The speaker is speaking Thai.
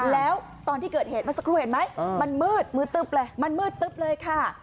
แล้วตอนที่เกิดเหตุมาสักครู่เห็นไหมมันมืดมืดตึบเลยค่ะ